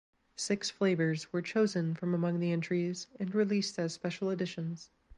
Six flavors were chosen from among the entries and released as special editions.